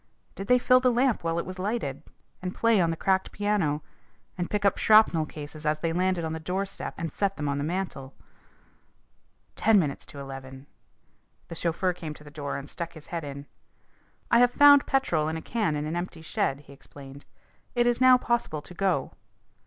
Did they fill the lamp while it was lighted, and play on the cracked piano, and pick up shrapnel cases as they landed on the doorstep and set them on the mantel? Ten minutes to eleven! The chauffeur came to the door and stuck his head in. "I have found petrol in a can in an empty shed," he explained. "It is now possible to go."